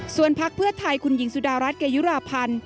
ส่วนพักเพื่อไทยคุณหญิงสุดารัฐเกยุราพันธ์